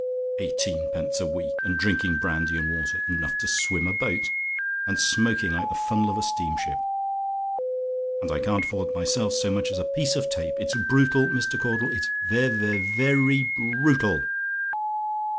"Eighteenpence a week and drinking brandy and water, enough to swim a boat! And smoking like the funnel of a steamship! And I can't afford myself so much as a piece of tape! It's brutal, Mr. Caudle. It's ve ve ve ry bru tal."